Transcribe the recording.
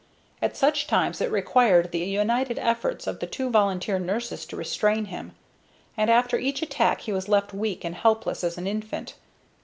At such times it required the united efforts of the two volunteer nurses to restrain him, and after each attack he was left weak and helpless as an infant.